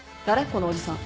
このおじさん。